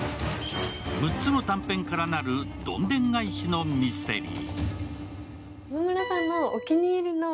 ６つの短編か成るどんでん返しのミステリー。